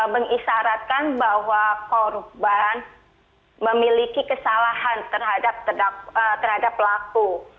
mengisaratkan bahwa korban memiliki kesalahan terhadap pelaku